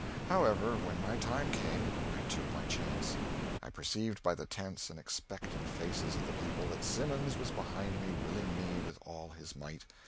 However, when my time came, I took my chance. I perceived by the tense and expectant faces of the people that Simmons was behind me willing me with all his might.